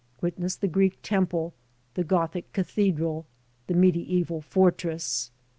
Witness the Greek temple, the Gothic cathedral, the medieval fortress.